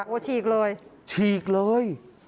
โอ้โหฉีกเลยฉีกเลย